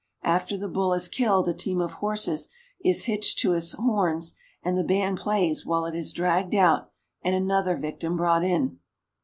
After the bull is killed a team of horses is hitched to its horns, and the band plays while it is dragged out and another victim brought in.